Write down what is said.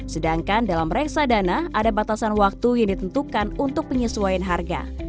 sedangkan dalam reksadana ada batasan waktu yang ditentukan untuk penyesuaian harga